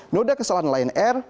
noda kesalahan lion air